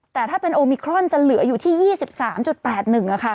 แต่ถ้าเป็นโอมิครอนจะเหลืออยู่ที่๒๓๘๑ค่ะ